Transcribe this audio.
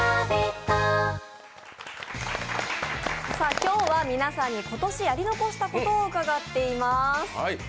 今日は皆さんに今年やり残したことを伺っています。